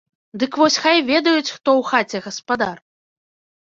Дык вось хай ведаюць, хто ў хаце гаспадар!